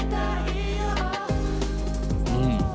うん。